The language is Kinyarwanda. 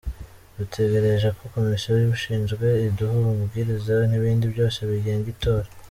Dutegereje ko Komisiyo ibishinzwe iduha amabwiriza n’ibindi byose bigenga itora”.